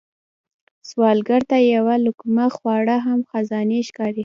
سوالګر ته یو لقمه خواړه هم خزانې ښکاري